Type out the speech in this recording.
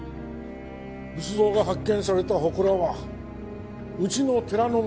仏像が発見されたほこらはうちの寺のものですから。